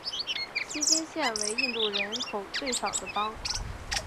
锡金现为印度人口最少的邦。